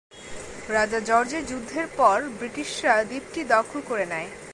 রাজা জর্জের যুদ্ধের পর ব্রিটিশরা দ্বীপটি দখল করে নেয়।